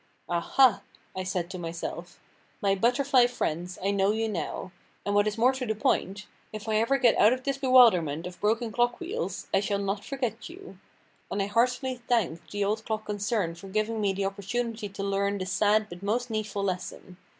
"Ah, ha!" I said to myself; "my butterfly friends, I know you now; and what is more to the point, if ever I get out of this bewilderment of broken clock wheels, I shall not forget you"; and I heartily thanked the old clock concern for giving me the opportunity to learn this sad but most needful lesson.